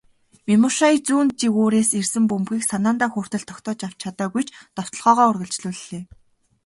Мемушай зүүн жигүүрээс ирсэн бөмбөгийг санаандаа хүртэл тогтоож авч чадаагүй ч довтолгоогоо үргэлжлүүллээ.